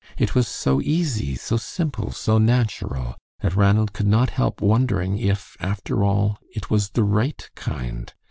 It was so easy, so simple, so natural, that Ranald could not help wondering if, after all, it was the right kind.